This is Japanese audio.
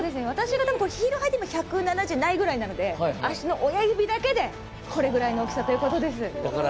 私がヒール履いても１７０ｃｍないぐらいなので足の親指だけでこれぐらいの大きさということです。